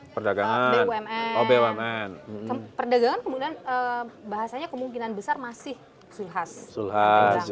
perdagangan kemudian bahasanya kemungkinan besar masih sulhas